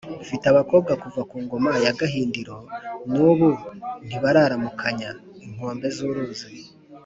Mfite abakobwa kuva ku ngoma ya Gahindiro n'ubu ntibararamukanya.-Inkombe z'uruzi.